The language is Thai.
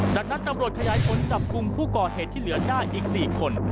จากนั้นตำรวจขยายผลจับกลุ่มผู้ก่อเหตุที่เหลือได้อีก๔คน